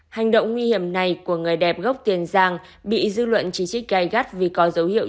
hành động nguy hiểm này của người đẹp gốc tiền giang bị dư luận chỉ trích gai gắt vì có dấu hiệu